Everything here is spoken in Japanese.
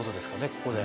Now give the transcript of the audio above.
ここで。